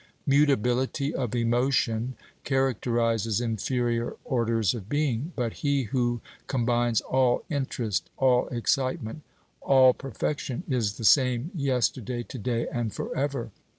Mutability of emotion characterizes inferior orders of being; but He who combines all interest, all excitement, all perfection, is "the same yesterday, to day, and forever."